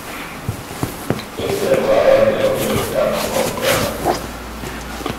Es graduada de la Universidad Hofstra.